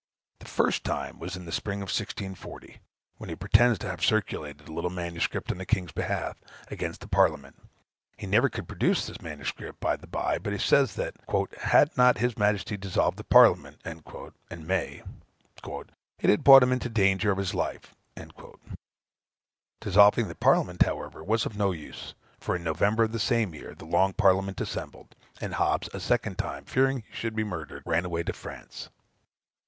The first time was in the spring of 1640, when he pretends to have circulated a little MS. on the king's behalf, against the Parliament; he never could produce this MS., by the by; but he says that, "Had not his Majesty dissolved the Parliament," (in May,) "it had brought him into danger of his life." Dissolving the Parliament, however, was of no use; for, in November of the same year, the Long Parliament assembled, and Hobbes, a second time, fearing he should be murdered, ran away to France.